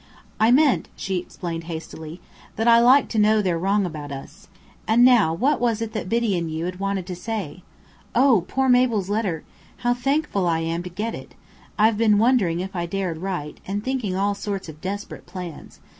"I meant," she explained hastily, "that I like to know they're wrong about us. And now what was it that Biddy and you wanted to say? Oh, poor Mabel's letter! How thankful I am to get it! I've been wondering if I dared write, and thinking of all sorts of desperate plans.